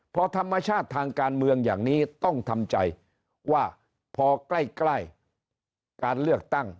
พอธรรมชาติทางการเมืองอย่างนี้ต้องทำใจว่าพอใกล้การเลือกตั้ง